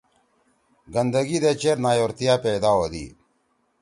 گندگی دے چیر نایورتیا پیدا ہودی۔